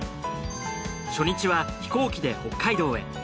初日は飛行機で北海道へ。